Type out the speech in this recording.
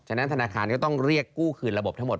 ฉะนั้นธนาคารก็ต้องเรียกกู้คืนระบบทั้งหมด